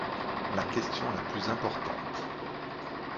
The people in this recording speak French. La question la plus importante.